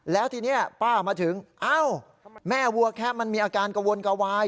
แล้วทีนี้ป้ามาถึงเอ้าแม่วัวแคะมันมีอาการกระวนกระวาย